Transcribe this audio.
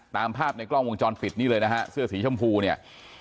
ตามภาพในกล้องวงจรปิดนี่เลยนะฮะเสื้อสีชมพูเนี่ย